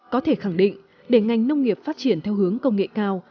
có thể khẳng định để ngành nông nghiệp phát triển theo hướng công nghệ cao